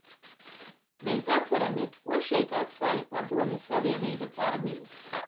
Mēs atceramies, ko šeit atstāja Padomju Savienības armija.